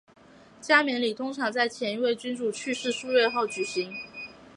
加冕礼通常在前一位君主去世数月后举行。